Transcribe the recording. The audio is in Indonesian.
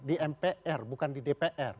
di mpr bukan di dpr